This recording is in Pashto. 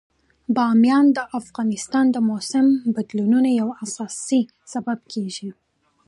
بامیان د افغانستان د موسم د بدلون یو اساسي سبب کېږي.